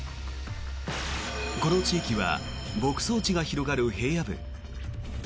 この地域は牧草地が広がる平野部。